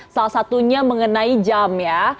salah satunya mengenai jam ya